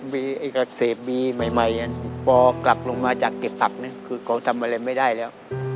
ไม่มายรูปปอล์กลับลงมาจากเกร็บผลักคือเขาทำอะไรไม่ได้แล้ว